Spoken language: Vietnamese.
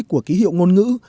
của ký hiệu ngôn ngữ